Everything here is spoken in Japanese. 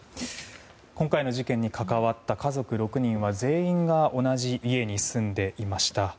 今回の事件に関わった家族６人は全員が同じ家に住んでいました。